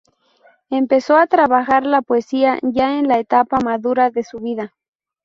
Empezó a trabajar la poesía ya en la etapa madura de su vida.